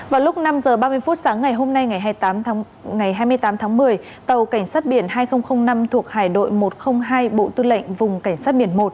vào lúc năm h ba mươi phút sáng ngày hôm nay ngày hai mươi tám tháng một mươi tàu cảnh sát biển hai nghìn năm thuộc hải đội một trăm linh hai bộ tư lệnh vùng cảnh sát biển một